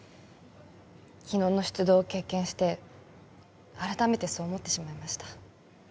昨日の出動を経験して改めてそう思ってしまいました